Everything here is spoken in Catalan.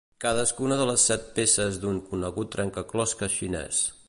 Cadascuna de les set peces d'un conegut trencaclosques xinès.